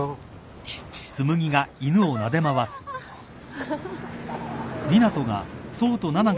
アハハハ。